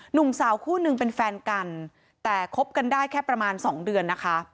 หนุ่มสาวคู่นึงเป็นแฟนกันแต่คบกันได้แค่ประมาณสองเดือนนะคะ